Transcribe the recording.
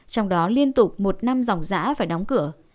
trong đó liên tục một năm dòng giã phải đóng cửa